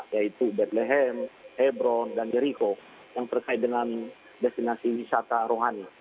yaitu bethlehem hebron dan jericho yang terkait dengan destinasi wisata rohani